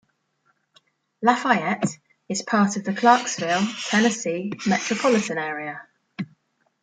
LaFayette is part of the Clarksville, Tennessee metropolitan area.